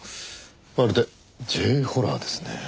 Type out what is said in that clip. まるでＪホラーですね。